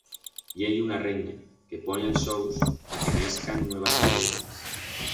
I hei una reina, que pone els ous ta que naixcan nuevas abelletas.